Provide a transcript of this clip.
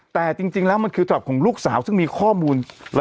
แต่จริงแล้วมันคือท็อปของลูกสาวซึ่งมีข้อมูล